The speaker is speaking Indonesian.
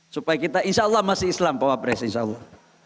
supaya kita insyaallah masih islam pak wapres insyaallah